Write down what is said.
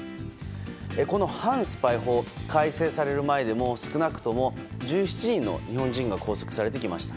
この反スパイ法改正される前でも少なくとも１７人の日本人が拘束されてきました。